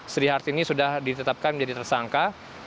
sri hartini sudah ditetapkan menjadi tersangka